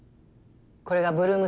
これが８ＬＯＯＭ